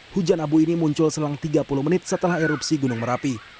hujan abu ini muncul selang tiga puluh menit setelah erupsi gunung merapi